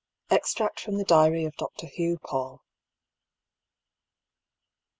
EXTEACT FROM THE DIABY OF DR. HUGH PAULL.